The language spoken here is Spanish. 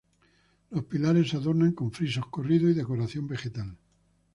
Los pilares se adornan con frisos corridos y decoración vegetal.